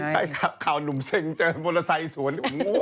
ใช่ขาวหนุ่มเซ่งเจอนบริษัทสวน